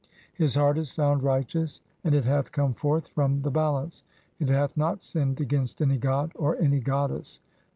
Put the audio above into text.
His "heart is [found] righteous. (2) and it hath come forth from the "balance ; it hath not sinned against any god or any goddess.